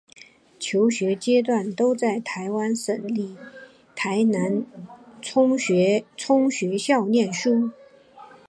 求学阶段都在台湾省立台南启聪学校念书。